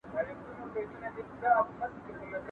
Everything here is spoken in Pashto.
¬ کوزه په درې پلا ماتېږي.